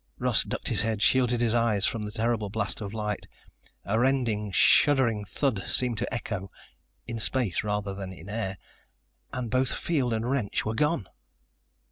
Russ ducked his head, shielded his eyes from the terrible blast of light. A rending, shuddering thud seemed to echo ... in space rather than in air ... and both field and wrench were gone!